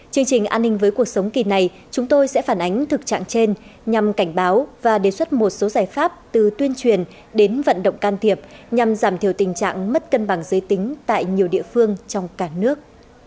chương trình an ninh với cuộc sống kỳ này chúng tôi sẽ phản ánh thực trạng trên nhằm cảnh báo và đề xuất một số giải pháp từ tuyên truyền đến vận động can thiệp nhằm giảm thiểu tình trạng mất cân bằng giới tính tại nhiều địa phương trong cả nước